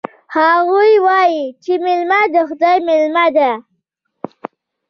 هغوی وایي چې میلمه د خدای مېلمه ده